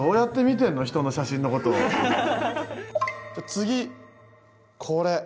次これ。